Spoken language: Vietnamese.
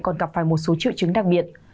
còn gặp phải một số triệu chứng đặc biệt